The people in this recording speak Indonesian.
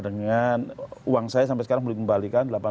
dengan uang saya sampai sekarang belum dikembalikan